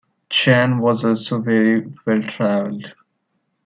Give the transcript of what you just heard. Jahn was also very well-travelled.